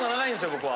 僕は。